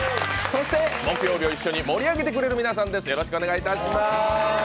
そして木曜日を一緒に盛り上げてくれる皆さんです。